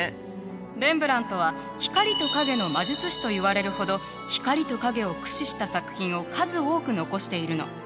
レンブラントは光と影の魔術師といわれるほど光と影を駆使した作品を数多く残しているの。